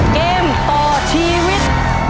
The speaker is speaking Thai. เกมต่อชีวิต